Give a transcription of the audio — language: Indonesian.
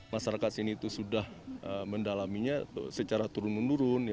masyarakat sini itu sudah mendalaminya secara turun menurun